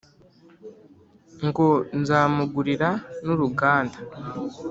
Ngo nzamugurira nuruganda